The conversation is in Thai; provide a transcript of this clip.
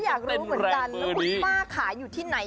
อยากรู้เหมือนกันแล้วคุณป้าขายอยู่ที่ไหน